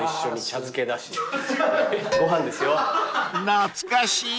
［懐かしい！］